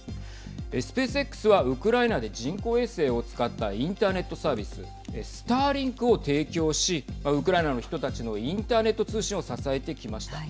スペースＸはウクライナで人工衛星を使ったインターネットサービススターリンクを提供しウクライナの人たちのインターネット通信を支えてきました。